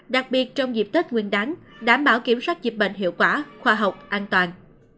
đặc biệt trong dịp tết nguyên đáng đảm bảo kiểm soát dịch bệnh hiệu quả khoa học an toàn